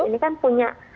rutpks ini kan punya